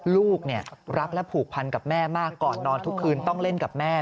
ลูกรักและผูกพันกับแม่มากก่อนนอนทุกคืนต้องเล่นกับแม่